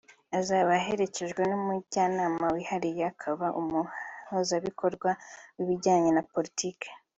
Azaba aherekejwe n’Umujyanama wihariye akaba n’Umuhuzabikorwa w’ibijyanye na politiki